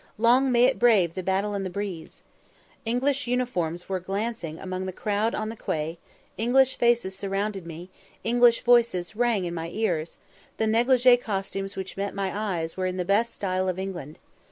Long may it brave "the battle and the breeze"! English uniforms were glancing among the crowd on the quay, English faces surrounded me, English voices rang in my ears; the négligé costumes which met my eyes were in the best style of England.